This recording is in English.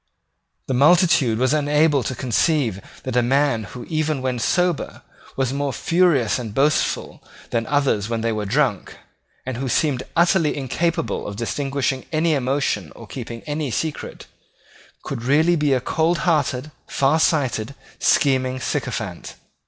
The multitude was unable to conceive that a man who, even when sober, was more furious and boastful than others when they were drunk, and who seemed utterly incapable of disguising any emotion or keeping any secret, could really be a coldhearted, farsighted, scheming sycophant.